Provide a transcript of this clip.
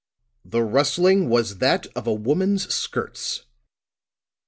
_The rustling was that of a woman's skirts!